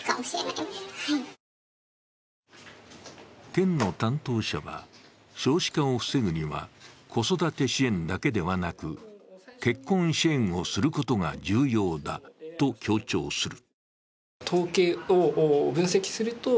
県の担当者は、少子化を防ぐには子育て支援だけではなく、結婚支援をすることが重要だと強調する。